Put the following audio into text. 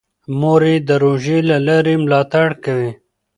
مور یې د روژې له لارې ملاتړ کوي.